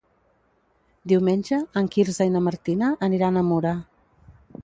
Diumenge en Quirze i na Martina aniran a Mura.